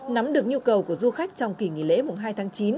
nắm được nhu cầu của du khách trong kỳ nghỉ lễ mùng hai tháng chín